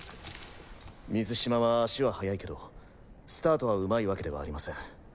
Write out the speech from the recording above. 水嶋は足は速いけどスタートはうまいわけではありません。